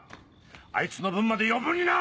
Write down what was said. あいつの分まで余分にな！